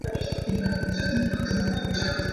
Has time the power to separate us eternally?